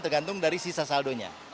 tergantung dari sisa saldonya